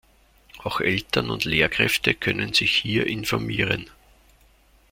Auch Eltern und Lehrkräfte können sich hier informieren.